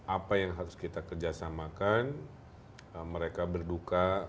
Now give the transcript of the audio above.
apa yang harus kita kerjasamakan mereka berduka